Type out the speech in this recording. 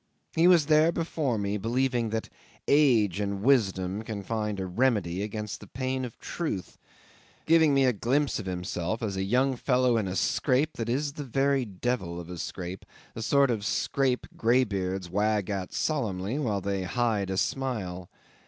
He was there before me, believing that age and wisdom can find a remedy against the pain of truth, giving me a glimpse of himself as a young fellow in a scrape that is the very devil of a scrape, the sort of scrape greybeards wag at solemnly while they hide a smile.